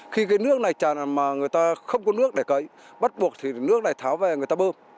khi cái nước này tràn mà người ta không có nước để cấy bắt buộc thì nước lại tháo về người ta bơm